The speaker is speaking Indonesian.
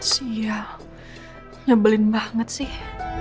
siang nyebelin banget sih